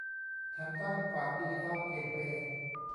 แถมตั้งขวางดิจิทัลเกตเวย์